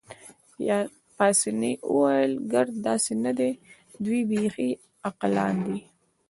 پاسیني وویل: ګرد داسې نه دي، دوی بیخي بې عقلان دي.